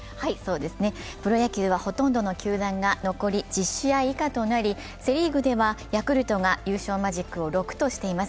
プロ野球はほとんどの球団が残り１０試合以下となりセ・リーグではヤクルトが優勝マジックを６としています。